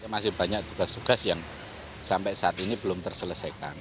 masih banyak tugas tugas yang sampai saat ini belum terselesaikan